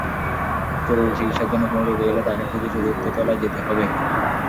জরুরি চিকিৎসার জন্য কোনো রোগী এলে তাকে খুঁজে চতুর্থ তলায় যেতে হবে।